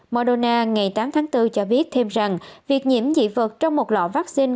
moderna ngày tám tháng bốn cho biết thêm rằng việc nhiễm dị vật trong một lọ vaccine